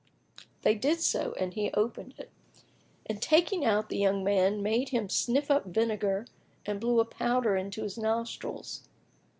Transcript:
They did so, and he opened it and taking out the young man, made him sniff up vinegar and blew a powder into his nostrils.